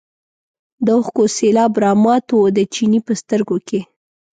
د اوښکو سېلاب رامات و د چیني په سترګو کې.